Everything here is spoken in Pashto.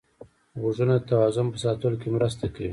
غوږونه د توازن په ساتلو کې مرسته کوي